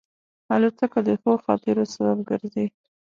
الوتکه د ښو خاطرو سبب ګرځي.